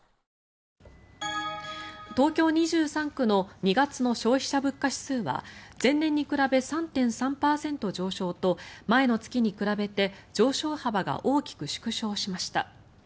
東京２３区の２月の消費者物価指数は前年に比べ３．３％上昇と前の月に比べて上昇幅が大きく縮小しました。